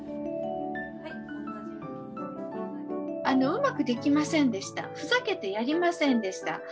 「うまくできませんでした」「ふざけてやりませんでした」